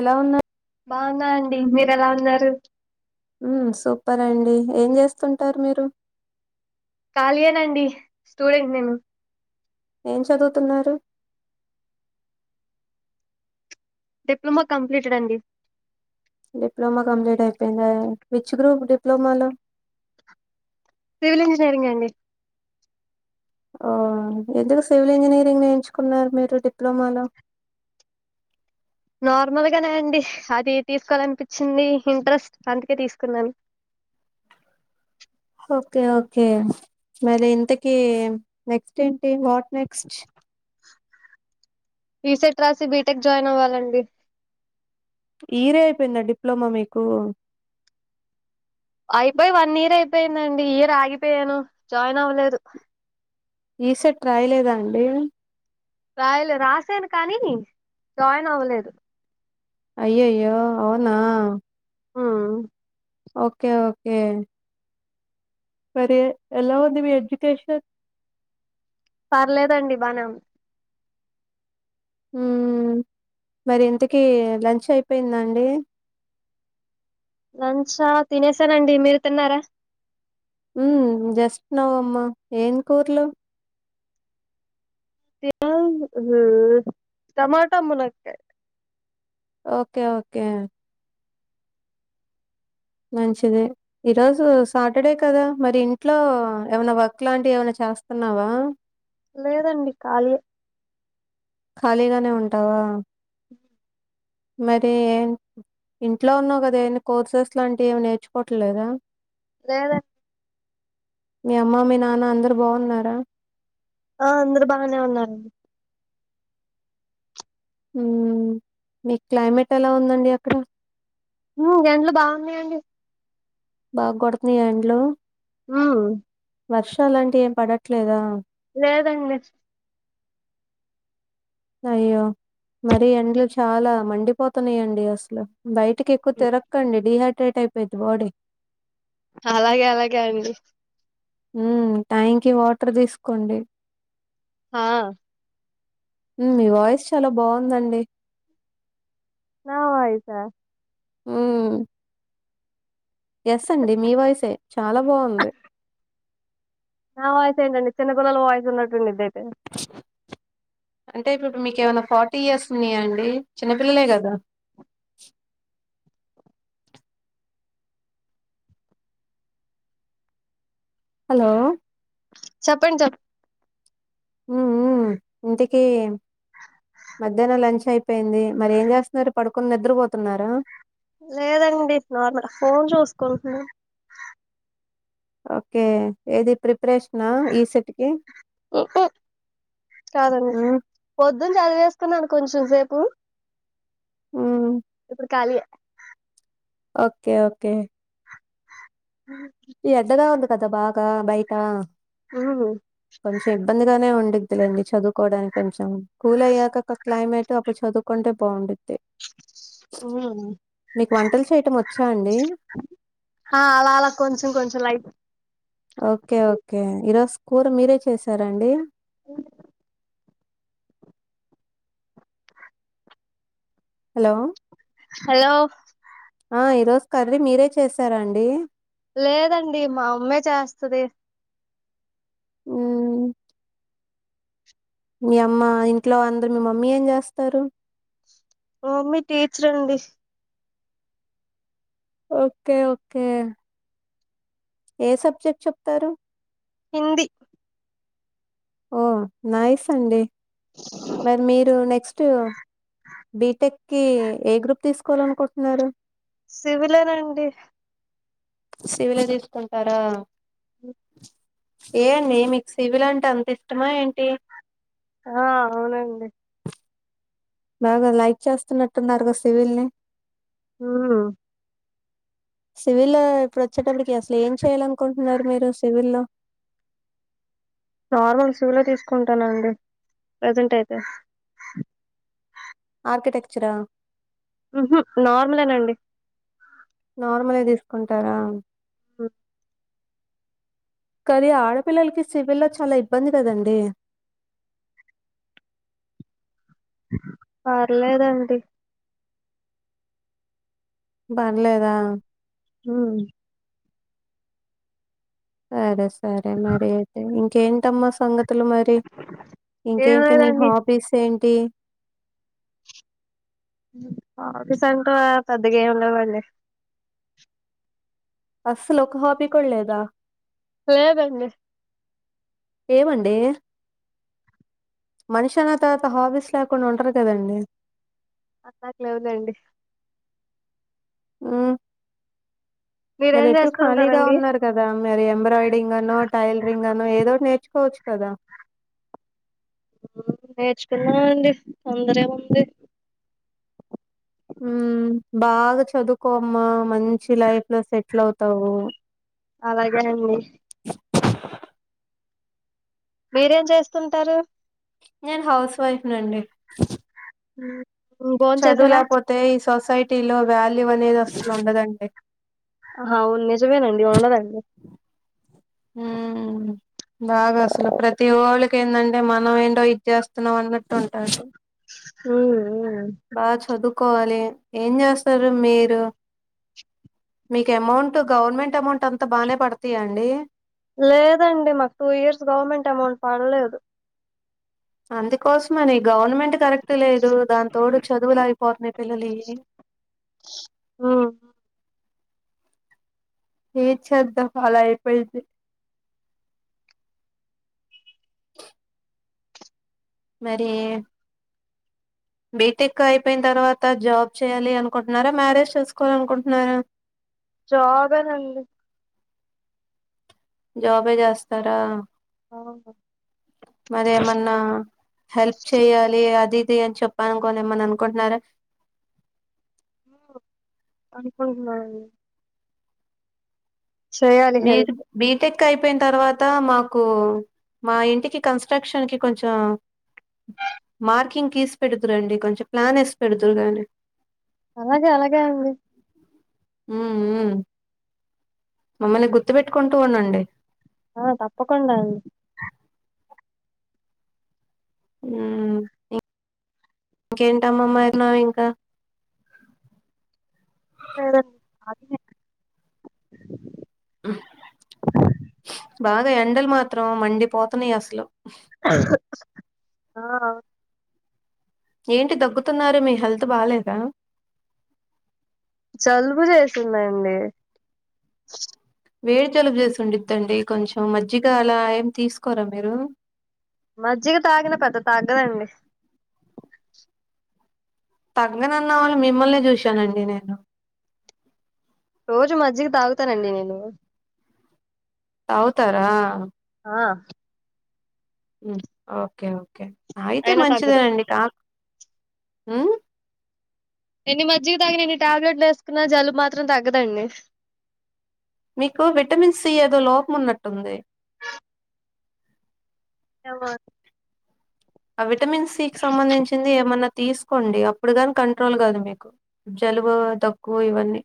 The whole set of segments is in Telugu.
ఎలా ఉన్నాయి బాగున్నా అండి మీరె ఎలా ఉన్నారు ఉం సూపర్ అండి ఏం చేస్తుంటారు మీరు కాళీ ఏ నండి స్టూడెంట్ నేను ఏం చదువుతున్నారు డిప్లొమా కంప్లిటెడ్ అండి డిప్లమా కంప్లీట్ అయిపోయిందా విచ్చు గ్రూప్ డిప్లొమాలో సివిల్ ఇంజనీరింగ్ అండి ఆ ఎందుకు సివిల్ ఇంజనీరింగ్ ని ఎంచుకున్నారు మీరు డిప్లొమాలో నార్మల్గానే అండి. అది తీసుకోవాలనిపించింది. ఇంట్రెస్ట్ అందుకే తీసుకున్నాను. ఓకే ఓకే మరి ఇంతకి నెక్స్ట్ ఏంటి వాట్ నెక్స్ట్ ఈసెట్ రాసి బీటెక్ జాయిన్ అవ్వాలండి. ఈ ఇయర్ అయిపోయిందా డిప్లొమా మీకు అయిపోయి వన్ ఇయర్ అయిపోయిందండి. ఈ ఇయర్ ఆగిపోయాను. జాయిన్ అవ్వలేదు. ఈసెట్ రాయలేదా అండి రాయిలె రాసాను కానీ జాయిన్ అవ్వలేదు. అయ్యయ్యో అవునా ఉ ఓకే ఓకే మరి ఎలా ఉంది మీ ఎడ్యుకేషన్ పర్లేదండి బానేఉంది ఉం మరి ఇంతకి లంచ్ అయిపోయిందా అండి. లంచా తినేసానండి మీరు తిన్నారా ఉం జస్ట్ నౌ అమ్మ ఏన్ కూర్లు టమాటా మునక్కాయ్ ఓకే ఓకే మంచిది ఈరోజు సాటర్డే కదా మరి ఇంట్లో ఏవన్నా వర్క్ లాంటి ఎవన్న చే చేస్తన్నావా లేదండి ఖాళీ ఏ ఖాళీగానే ఉంటావా మరి ఏం ఇంట్లో ఉన్నావు కదా ఏన్ని కోర్సెస్ లాంటివి ఏమి నేర్చుకోవట్లలేదా లేదన్ మీ అమ్మ మీ నాన్న అందరు బాగున్నారా ఆ అందరు బాగనే ఉన్నారు ఉం మీ క్లైమేట్ ఎలా ఉందండి అక్కడ ఉం ఎండ్లు బాగున్నాయండి బాగ కొడుతున్నాయా ఎండ్లు ఉం వర్షాలంటవి ఏం పడట్లేదా లేదండి అయ్యో మరి ఎండ్లు చాలా మండిపోతున్నాయండి అసలు బయటకి ఎక్కువ తిరక్కండి. డిహైడ్రేట్ అయిపోయిద్ది బాడీ. అలాగే అలాగే అండి ఉం టైం కి వాటర్ తీసుకోండి హ ఉం మీ వాయిస్ చాలా బాగుందండి చ్చ ఊమ్ ఎస్ అండి మీ వాయిసే చాలా బాగుంది. నా వాయిస్ ఏంటండి చిన్నపిల్లల వాయిస్ ఉన్నటుండిది అయితే బ్లాంక్ అంటే ఇప్పు డిప్పుడు మీకేమన్నా ఫార్టీ ఇయర్స్ ఉన్నాయా అండి చిన్నపిల్లలే కదా బ్లాంక్ హలో చెప్పండి చెప్ ఉ ఉమ్ ఇంతకీ మధ్యాహ్నం లంచ్ అయి పోయింది మరి ఏం చేస్తున్నారు పడుకుని నిద్రపోతున్నారా లేదండి నార్మల్ ఫోన్ చూసుకుంటున్నను ఓకే ఏది ప్రిపరేషనా ఈసెట్ కీ కాదండి హ్మ్. పొద్దునన చదివేసుకున్నాను కొంచె చూసేపు హ్మ్. ఇప్పుడు ఖాళీయే ఓకే ఓకే బ్లాంక్ ఈ ఎండగా ఉంది కదా బాగా బయట ఉమ్ ఉమ్ కొంచెం ఇబ్బందిగానే ఉండిద్ది లెండి చదువుకోడానికి కొంచెం కూల్ అయ్యాక ఒక క్లైమేట్ అప్పుడు చదువుకుంటే బాగుండిది ఉమ్ మీకు వంటలు చేయటం వచ్చ ఆ అలా అలా కొంచెం కొంచెం లైట్ ఓకే ఓకే ఈరోజు స్కూర మీరే చేసారండి బ్లాంక్ హలో హలో ఆ ఈరోజు కర్రీ మీరే చేసారాండి లేదండి మా అమ్మే చేస్తది ఉమ్ మీ అమ్మ ఇంట్లో అందరు మీ మమ్మీ ఏం చేస్తారు మా మమ్మీ టీచర్ అండి ఓకే ఓకే ఏ సబ్జెక్ట్ చెప్తారు హిందీ ఓ నయిస్ అండి మరి మీరు నెక్స్ట్ బిటెక్కి ఏ గ్రూప్ తీసు కోవాలనుకుటున్నారు సివిల్ నండి సివిలే తీసుకుంటారా ఏ అండి మీకు సివిల్ అంటే అంత ఇటమా ఏంటి ఆ అవునండి బాగా లైక్ చేస్తున్నట్టున్నారుగా సివిల్ ని ఉమ్ [inaudible] సివిల్లొ ఇప్పుడు వచ్చేటప్పటికి అసలు ఏం చేయ్యాలనుకుంటున్నారు మీరు సివిల్ లో బ్లాంక్ నార్మల్ సివిలే తీసుకుంటానండి ప్రజెంటైతే. ఆర్కిటెక్చరా. ఉహూ నార్మలేనండి. నార్మలే తీసుకుంటారా. ఉ కానీ ఆడపిల్లలకి సివిల్ల్లో చాలా ఇబ్బంది కదండి పర్లేేదండి పర్లేదా. ఉమ్. సరే సరే మరి అయితే ఇంకేటమ్మ సంగత్. తులు మరి ఏం ఇంకేంటి నీ లేదండి హాబీస్ ఏంటి. హాబీస్ అంటే పెద్దగా ఎంలేవండి. అస్సలు ఒక హాబి కూడా లేదా. లేదండి. ఏమండీ మనిషన్న తర్వాత హాబిస్లా. కొన్ని ఉంటారు కదండి. నాకు లేవులేండి. ఉమ్. మరి మీరేం ఎట్టు చేస్తూ ఖాళీగా ఉంటారండి ఉన్నారు కదా మరీ ఎంబ్రాయిడరింగ్ అనో టైలరింగ్ అనో ఏదోటి నేర్చు. నేర్చుకోవచ్చు కదా. నేర్చుకుందాంఅండి తొందర ఏముంది. ఉమ్ బాగా చదువుకోమ్మా మంచి లైఫ్ లో సెటిల్ అవుతావు. అలాగే నండీ. మీరేం చేస్తుంటారు. నేను హౌస్ వైప్న్ండి. ఉమ్. చదువు లేకపోతే ఈ సొసైటీలో వాల్యూ అనేది అసలు ఉండదండి. ఆ అవును నిజమేనండి ఉండదు అండి. హ్మ్ బాగా అసలు ప్రతి వోళ్ళకి ఎందుంటే మనం ఏంటో ఇది చేస్తున్నాం అన్నట్టు ఉంటాది. ఉమ్ ఉహూ. బాగా చదువుకోవాలి ఏం చేస్తారు మీరు. మీకు అమౌంట్ గవర్నమెంట్ అమౌంట్ అంతా బానే పడుతాయా అండి. లేదండి మాకు టూ ఇయర్స్ గవర్నమెంట్ అమౌంట్ పడలేదు. అందుకోసమనే గవర్నమెంట్. కరెక్ట్ లేదు దాని తోడు చదువులు ఆగిపోతున్నాయి పిల్లలైయి. హ్మ్. ఏం చేదం అలా అయిపోయింది. మరే. బీటెక్ అయిపోయిన తర్వాత జాబ్ చేయాలి అనుకుంటున్నారా. మ్యారేజ్ చేసుకోవాలీ అనుకుంటున్నారా. జాబేనండీ. జాబే చేస్తారా అవును. మరి ఏమన్నా. హెల్ప్ చెయాలి అదిఇది అని చెప్పలనుకొని ఏమన్నా అనుకుంటున్నారా. అనుకున్నా అండి. నేను హెల్ప్ బిటెక్. ‌ కా అయిపోయిన తర్వాత మాకు మా ఇంటి కన్స్ట్రక్షన్ కి కొంచం. మార్కింగ్ గీసి పెడుతురండి కొంచెం ప్లాన్ ఎస్సి పెడుదూరుగాని. అలాగే అలాగే అండి. మ్మ్ మ్మ్ మమ్మల్ని గుర్తు పెట్టుకుంటూ ఉండండి ఆ తప్పకుండా అండి మ్ ఇంకేంటమ్మమ్మ మ్మ ఇంకా సరే. బాగా ఎండలు మాత్రం మండిపోతున్నాయి అసలు. ఆహ్. ఏంటి దగ్గుతున్నారు మీ హెల్త్ బాలేదా. జలుబు చేసిందండి వేడి జలుబు చేసిండుద్దండి కొంచెం మజ్జిగ అలా ఏమి తీసుకొరా మీరు మజ్జిగ తాగిన పెద్ద తాగ్గదండి తగ్గదన్న వాళ్ళని మిమ్మల్నే చూశానండి నేను రోజు మజ్జికి తాగుతానండి నేను తాగుతారా ఆ ఓకే ఓకే అయితే అయినా తగ్గదు మంచిదేనండి కా ఉమ్మ్ ఎన్ని మజ్జిగ తాగిన ఎన్ని టాబ్లెట్లు వేసుకున్నా జలుబు మాత్రం తగ్గదండి మీకు విటమిన్ సి ఏదో లోపం ఉన్నట్టుంది ఏమో అ విటమిన్ సి కి సంబంధించింది ఏమన్నా తీసుకోండి అప్పుడు కాని కంట్రోల్ కాదు మీకు జలుబు, దగ్గు ఇవన్నీ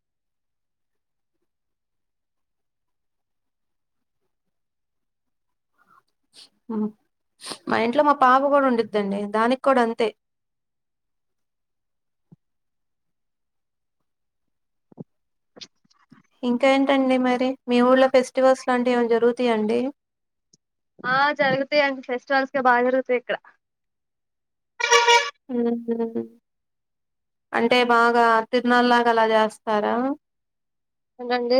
మా ఇంట్లో మా పాప కూడా ఉండుద్దండి దానికి కూడా అంతే ఇంకా ఏంటండి మరి మీ ఊళ్ళ ఫెస్టివల్స్ లాంటివి ఏమన్నా జరుగుతాయా అండి ఆ జరుగుతాయి అండి ఫెస్టివల్స్ బాగా జరుగుతాయి ఇక్కడ ఉ ఉ అంటే బాగా తిరునాల్లాగా అలా చేస్తారా ఏంటండీ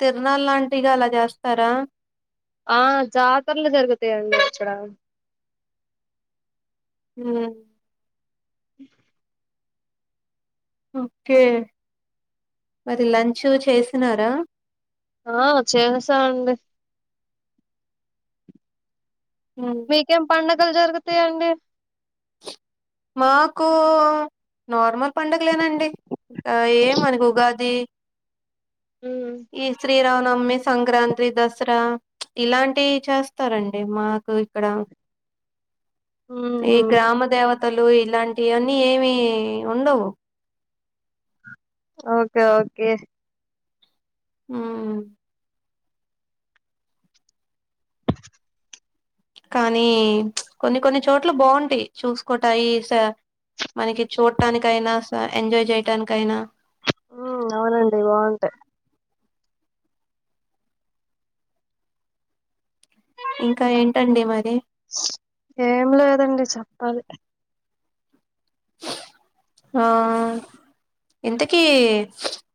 తిరునాళ్ళంటిగా అలా చేస్తారా ఆ జాతరలు జరుగుతాయండి ఇక్కడ ఉమ్ ఓకే మరి లంచూ చేసినారా ఆ చేసామండి ఉమ్ మీకేం పండగలు జరుగుతాయండి మాకూ నార్మల్ పడుగలేనండి ఏ మనకు ఉగాది ఈ శ్రీరామనవమి, సంక్రాంతి, దసరా ఇలాంటియి చేస్తారండి మాకు ఇక్కడ ఏ ఉమ్ గ్రామ దేవత లు ఇలాంటియన్నీ ఏమి ఉండవు ఓకే ఓకే ఉమ్మ్ కానీ కొన్ని కొన్ని చోట్లు బావుంటాయి చూసుకోటాయి స మనకి చూట్టానికైనా, స ఎంజాయ్ చేయటానికైనా ఉమ్ అవునండి బాగుంటాయి ఇంకా ఏంటండి మరి ఏం లేదండి చెప్పాలి ఆ ఇంతకీ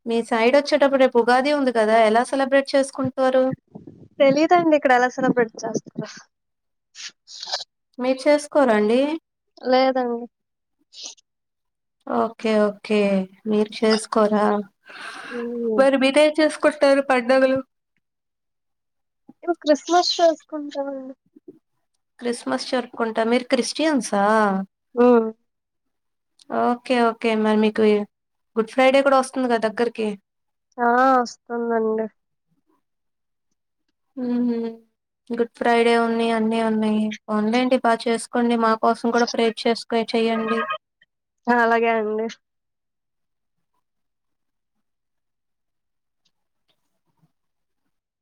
మీ సైడ్ వచ్చేటప్పుడు రేప్ ఉగాది ఉంది కదా. ఎలా సెలబ్రేట్ చేసుకుంట తెలీదండి ఇక్కడ ఎలా సెలబ్రేట్ చేస్తారో మీరు చేసుకోరండి లేదండి ఓకే ఓకే మీరు చేసుకోరా మ్మ్ మరి మీరేం చెస్ కుంటారు పండగులు మేము క్రిస్మస్ చేసుకుంటామండి క్రిస్మస్ జరుపుకుంటా మీరు క్రిస్టియన్సా ఉమ్ ఓకే ఓకే మరి మీకు గుడ్ ఫ్రైడే కూడా వస్తుంది కదా దగ్గరికి ఆ వస్తుందండి హ్మ్ గుడ్ ఫ్రైడే ఉన్నయి అన్నీ ఉన్నాయి పొంలెండి బాగా చేసుకోండి మా కోసం కూడా ప్రేర్ చేసుకు చేయండి అలాగే అండి